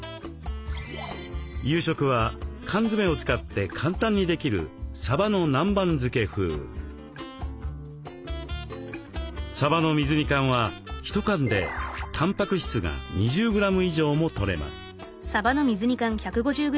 夕食は缶詰を使って簡単にできるさばの水煮缶は１缶でたんぱく質が２０グラム以上もとれます。